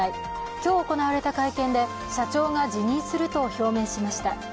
今日行われた会見で社長が辞任すると表明しました。